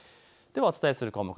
ではお伝えする項目